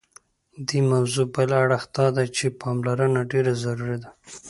دې موضوع بل اړخ دادی چې پاملرنه ډېره ضروري ده.